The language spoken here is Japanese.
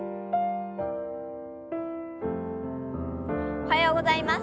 おはようございます。